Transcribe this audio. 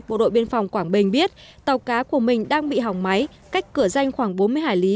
bộ đội biên phòng quảng bình biết tàu cá của mình đang bị hỏng máy cách cửa danh khoảng bốn mươi hải lý